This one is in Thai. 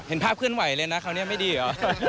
เห็นภาพเคลื่อนไหวเลยนะคราวนี้ไม่ดีเหรอ